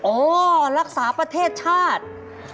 รักษาประเทศชาติ